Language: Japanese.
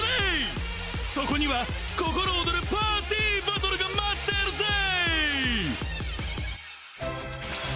そこにはココロオドルパーティーバトルが待ってるぜー！